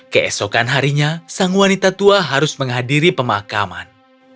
keesokan harinya sang wanita tua harus menghadiri pemakaman